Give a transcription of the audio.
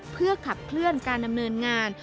เพื่อขับเคลื่อนการดำเนินงาน